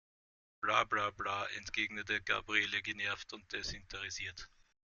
Bla bla bla, entgegnete Gabriele genervt und desinteressiert.